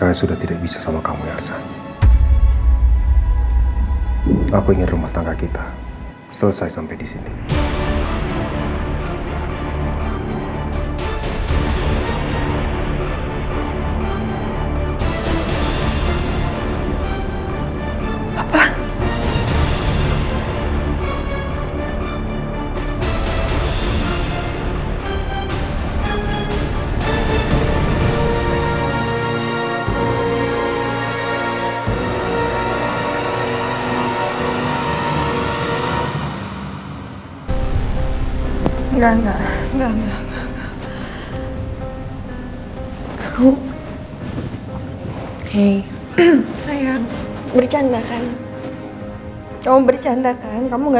itu gak bener kan sayang